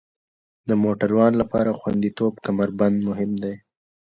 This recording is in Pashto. د موټروان لپاره خوندیتوب کمربند مهم دی.